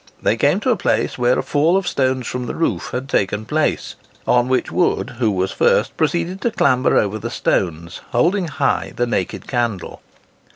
They came to a place where a fall of stones from the roof had taken place, on which Wood, who was first, proceeded to clamber over the stones, holding high the naked candle.